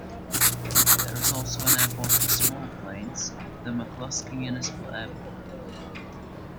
There is also an airport for small planes, the McClusky Municipal Airport.